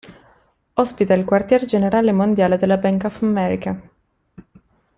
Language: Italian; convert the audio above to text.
Ospita il quartier generale mondiale della Bank of America.